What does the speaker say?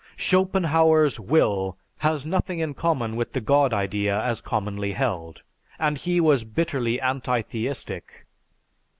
Schopenhauer's "Will" has nothing in common with the God idea as commonly held, and he was bitterly anti theistic.